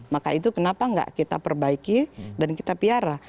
maka itu kenapa nggak kita perbaiki dan kita piara